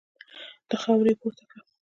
له خاورو يې پورته کړه.